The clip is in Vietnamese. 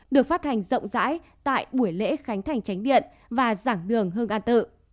được phát hành rộng rãi tại buổi lễ khánh thành tránh điện và giảng đường hương an tự